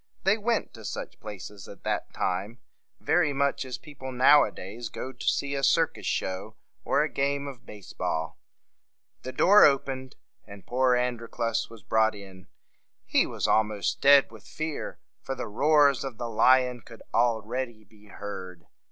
They went to such places at that time very much as people now a days go to see a circus show or a game of base ball. The door opened, and poor Androclus was brought in. He was almost dead with fear, for the roars of the lion could al read y be heard.